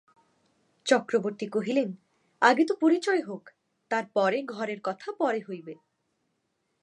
চক্রবর্তী কহিলেন, আগে তো পরিচয় হউক, তার পরে ঘরের কথা পরে হইবে।